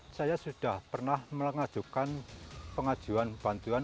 saya sudah pernah mengajukan pengajuan bantuan